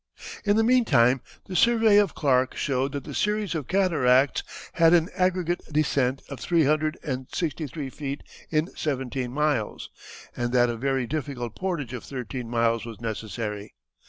In the meantime the survey of Clark showed that the series of cataracts had an aggregate descent of three hundred and sixty three feet in seventeen miles, and that a very difficult portage of thirteen miles was necessary.